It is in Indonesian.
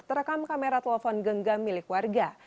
terekam kamera telepon genggam milik warga